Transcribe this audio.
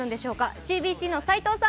ＣＢＣの斉藤さん